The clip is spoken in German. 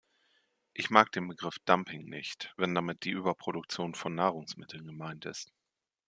Ich mag den Begriff "dumping" nicht, wenn damit die Überproduktion von Nahrungsmitteln gemeint ist.